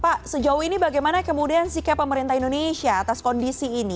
pak sejauh ini bagaimana kemudian sikap pemerintah indonesia atas kondisi ini